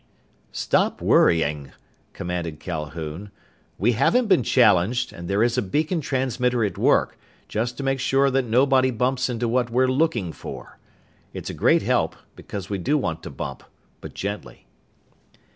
_" "Stop worrying," commanded Calhoun. "We haven't been challenged, and there is a beacon transmitter at work, just to make sure that nobody bumps into what we're looking for. It's a great help, because we do want to bump, but gently."